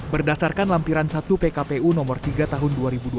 berdasarkan lampiran satu pkpu nomor tiga tahun dua ribu dua puluh